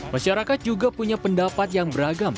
masyarakat juga punya pendapat yang beragam